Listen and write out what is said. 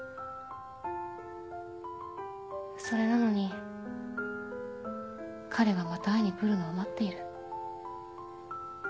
それなのに彼がまた会いに来るのを待っている